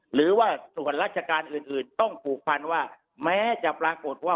หรือว่าส่วนรัชดิ์รัชกาลอื่นพูดมาว่าแม้จะพรากฏพร่อวะ